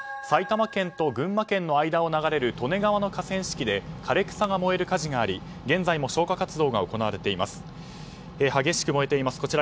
埼玉県と群馬県の間を流れる利根川の河川敷で枯れ草が燃える火事があり現在も消火活動が行われています。